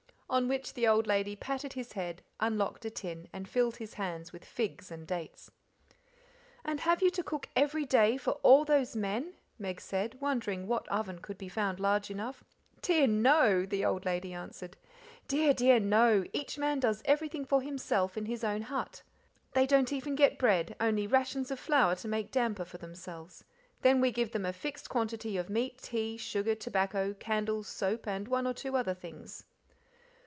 On which the old lady patted his head, unlocked a tin, and filled his hands with figs and dates. "And have you to cook every day, for all those men?" Meg said, wondering what oven could be found large enough. "Dear, no!" the old lady answered. "Dear, dear, no; each man does everything for himself in his own hut; they don't even get bread, only rations of flour to make damper for themselves. Then we give them a fixed, quantity of meat, tea, sugar, tobacco, candles, soap, and one or two other things."